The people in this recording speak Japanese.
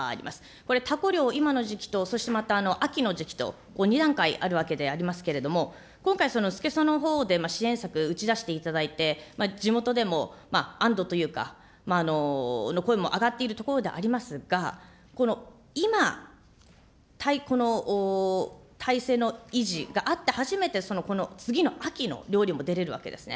これ、タコ漁、今の時期と秋の時期と２段階あるわけでありますけれども、今回、そのスケソウのほうで支援策打ち出していただいて、地元でも安どというか、声も上がっているところでありますが、この今、体制の維持があって初めてこの次の秋の漁にも出れるわけですね。